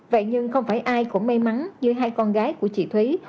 vậy nhưng không phải ai cũng may mắn như hai con gái của chị thúy